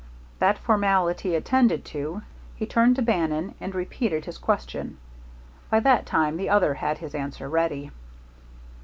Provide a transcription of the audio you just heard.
That formality attended to, he turned to Bannon and repeated his question. By that time the other had his answer ready.